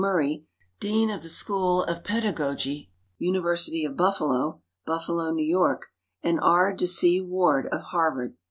McMurry, Dean of the Hcliool of Pedajjogy, University of HnHalo. Hiiflalo, N. Y., and R. DeC. Ward, of Harvard.